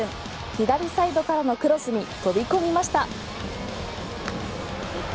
左サイドからのクロスに飛び込みました。